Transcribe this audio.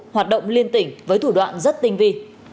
hoạt động liên tỉnh với thủ đoạn rất tinh vi